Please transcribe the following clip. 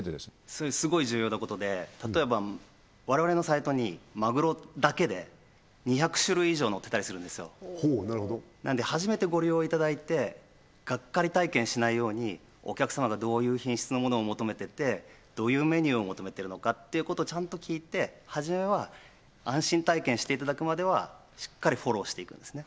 それすごい重要なことで例えば我々のサイトにマグロだけで２００種類以上載ってたりするんですよなので初めてご利用いただいてがっかり体験しないようにお客様がどういう品質のものを求めててどういうメニューを求めてるのかっていうことをちゃんと聞いてはじめは安心体験していただくまではしっかりフォローしていくんですね